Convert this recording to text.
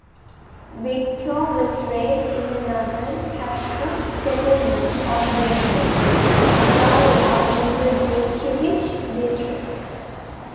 Viktor was raised in the Northern Caucasus settlement of Ventsy-Zarya in the Gulkevich district.